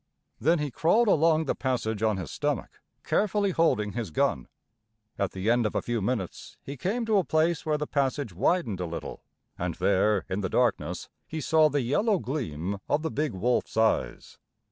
Then he crawled along the passage on his stomach, carefully holding his gun. At the end of a few minutes he came to a place where the passage widened a little, and there, in the darkness, he saw the yellow gleam of the big wolf's eyes!